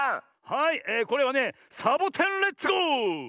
はいこれはね「サボテンレッツゴー」！